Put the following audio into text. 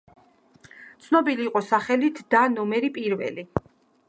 ცნობილი იყო სახელით „და ნომერი პირველი“.